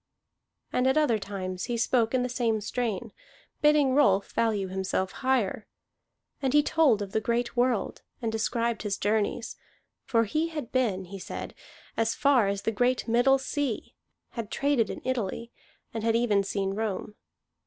And at other times he spoke in the same strain, bidding Rolf value himself higher. And he told of the great world, and described his journeys. For he had been, he said, as far as the great Middle Sea, had traded in Italy, and had even seen Rome.